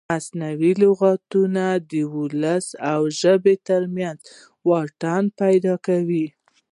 مصنوعي لغتونه د ولس او ژبې ترمنځ واټن پیدا کوي.